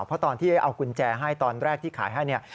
เพราะตอนที่เอากุญแจให้ตอนแรกที่ขายให้เนี่ย